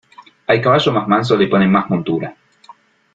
Al caballo más manso le ponen más montura.